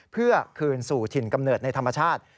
เพื่อคืนสู่ถิ่นกำเนิดในธรรมชาติ